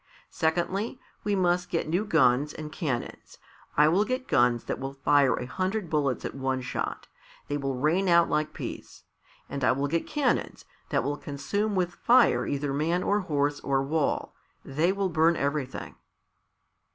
Secondly, we must get new guns and cannons. I will get guns that will fire a hundred bullets at one shot; they will rain out like peas. And I will get cannons that will consume with fire either man or horse or wall; they will burn everything."